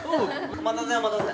お待たせお待たせ。